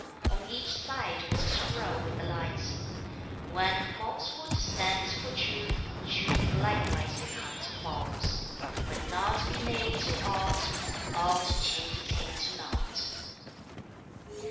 On each side was a scroll with the lines: When falsehood stands for truth, truth likewise becomes false, Where naught be made to aught, aught changes into naught.